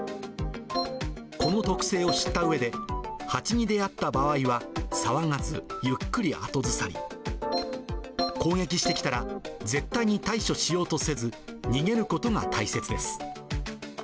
この特性を知ったうえで、ハチに出あった場合は、騒がず、ゆっくり後ずさり、攻撃してきたら絶対に対処しようとせず、逃げることが大切です。